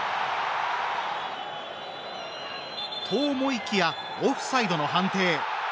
と思いきやオフサイドの判定！